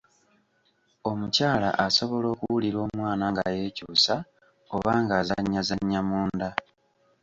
Omukyala asobola okuwulira omwana nga yeekyusa oba ng'azannyazannya munda